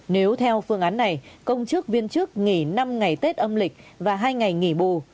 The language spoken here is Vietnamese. nếu theo phương án này công chức viên chức nghỉ năm ngày tết âm lịch và hai ngày nghỉ bù